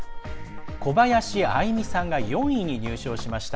小林愛実さんが４位に入賞しました。